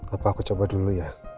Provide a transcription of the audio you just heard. apa aku coba dulu ya